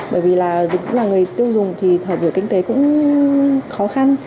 bởi vì là tôi cũng là người tiêu dùng thì thỏa vừa kinh tế cũng khó khăn